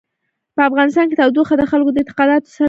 په افغانستان کې تودوخه د خلکو د اعتقاداتو سره تړاو لري.